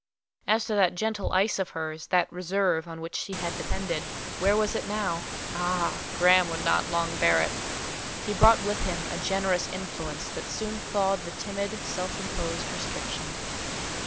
As to that gentle ice of hers—that reserve on which she had depended; where was it now? Ah! Graham would not long bear it; he brought with him a generous influence that soon thawed the timid, self imposed restriction.